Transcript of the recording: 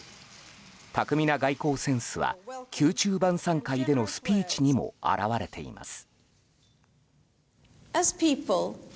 巧みな外交センスは宮中晩さん会でのスピーチにも表れています。